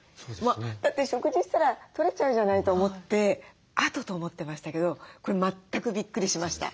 だって食事したら取れちゃうじゃないと思って後と思ってましたけどこれ全くびっくりしました。